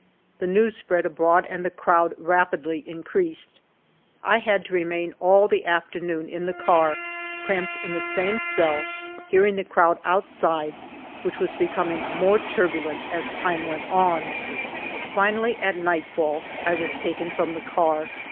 The news spread abroad, and the crowd rapidly increased. I had to remain all the afternoon in the car cramped in the same cell, hearing the crowd outside, which was becoming more turbulent as time went on. 76 FIVE YEARS OF MY LIFE Finally, at nightfall, I was taken from the car.